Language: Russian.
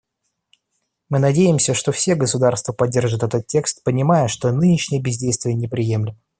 Мы надеемся, что все государства поддержат этот текст, понимая, что нынешнее бездействие неприемлемо.